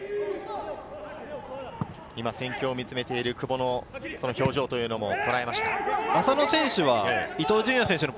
今、戦況を見つめている久保の表情というのもとらえました。